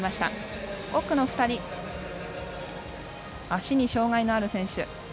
奥の２人、足に障がいのある選手。